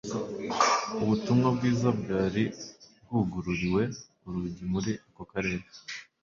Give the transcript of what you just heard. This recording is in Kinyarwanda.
Ubutumwa bwiza bwari bwugururiwe urugi muri ako karere.